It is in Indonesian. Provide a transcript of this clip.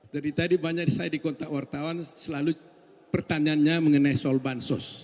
jadi tadi banyak saya di kontak wartawan selalu pertanyaannya mengenai solbansos